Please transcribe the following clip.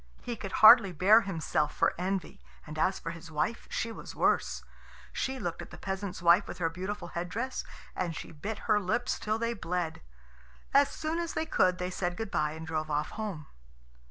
He could hardly bear himself for envy, and as for his wife, she was worse. She looked at the peasant's wife with her beautiful head dress, and she bit her lips till they bled. As soon as they could, they said good bye and drove off home.